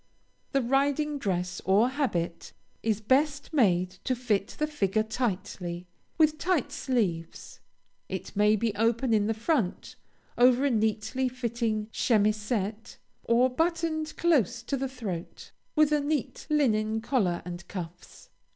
The riding dress, or habit, is best made to fit the figure tightly, with tight sleeves. It may be open in the front, over a neatly fitting chemisette, or buttoned close to the throat, with a neat linen collar and cuffs.